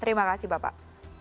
terima kasih bapak